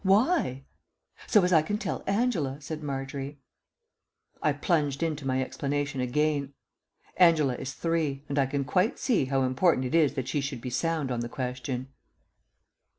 "Why?" "So as I can tell Angela," said Margery. I plunged into my explanation again. Angela is three, and I can quite see how important it is that she should be sound on the question.